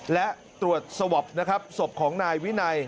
และตรวจสวบสบของนายวินัย